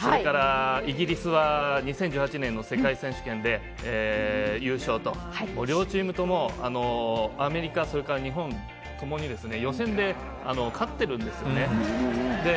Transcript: イギリスは２０１８年の世界選手権で優勝と、両チームともアメリカ、日本ともに予選で勝っているんですよね。